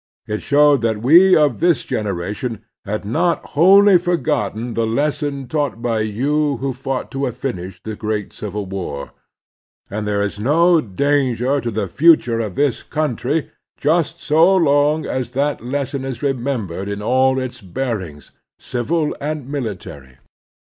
It showed that we of this generation had not wholly forgotten the lesson taught by you who fought to a finish the great Civil War. And there is no danger to the future of this country just so long as that lesson is remem bered in all its bearings, civil and military.